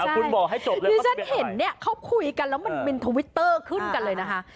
ชั้นเห็นเนี่ยเค้าคุยกันแล้วมันเป็นทวิตเตอร์ขึ้นกันเลยนะคะ